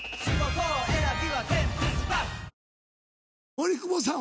森久保さん